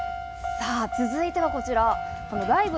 続いてはこちら。